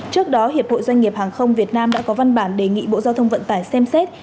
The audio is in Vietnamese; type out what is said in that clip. trước đó hiệp hội doanh nghiệp hàng không việt nam đã có văn bản đề nghị bộ giao thông vận tải xem xét